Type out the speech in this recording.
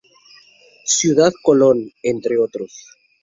Ciudad Colón, entre otros.